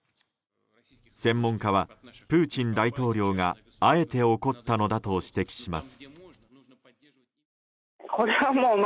専門家は、プーチン大統領があえて怒ったのだと指摘します。